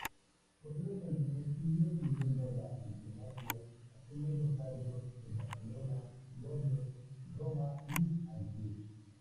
Posteriormente siguió sirviendo a la diplomacia, asumiendo cargos en Barcelona, Londres, Roma y Haití.